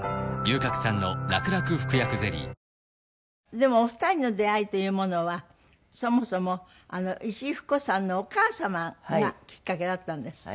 でもお二人の出会いというものはそもそも石井ふく子さんのお母様がきっかけだったんですって？